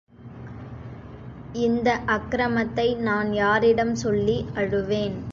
இந்த அக்ரமத்தை நான் யாரிடம் சொல்லி அழுவேன்!